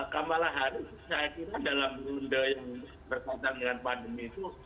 kamala haru saya kira dalam runde yang berkaitan dengan pandemi itu